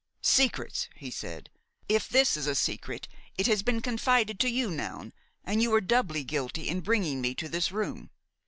"Secrets!" he said. "If this is a secret, it has been confided to you, Noun, and you were doubly guilty in bringing me to this room."